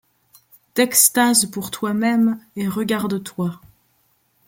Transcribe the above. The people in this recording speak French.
D’extase pour toi-même, et regarde-toi.